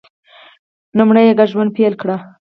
لومړی یې ګډ ژوند پیل کړ